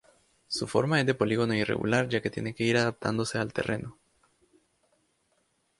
Su forma es de polígono irregular ya que tiene que ir adaptándose al terreno.